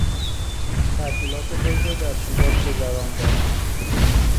تعطیلات خود را در شیراز گذراندن